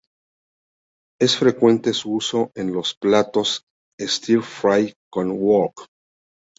Es frecuente su uso en los platos stir-fry con wok.